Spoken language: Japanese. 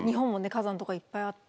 火山とかいっぱいあって。